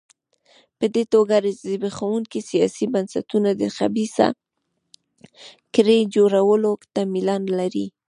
په دې توګه زبېښونکي سیاسي بنسټونه د خبیثه کړۍ جوړولو ته میلان لري.